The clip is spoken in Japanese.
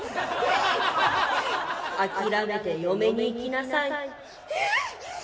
「諦めて嫁にいきなさい」。